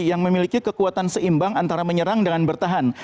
yang memiliki kekuatan seimbang antara menyerang dengan bertahan